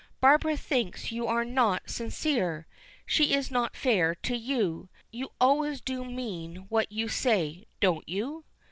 Barbara thinks you are not sincere. She is not fair to you. You always do mean what you say, don't you?"